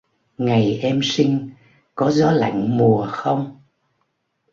Ngày em sinh, có gió lạnh mùa không